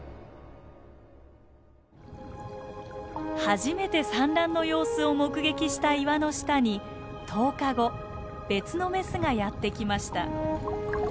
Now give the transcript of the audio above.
初めて産卵の様子を目撃した岩の下に１０日後別のメスがやってきました。